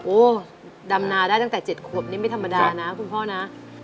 ดำนาได้ตั้งแต่๗ขวบนี่ไม่ธรรมดานะคุณพ่อนะ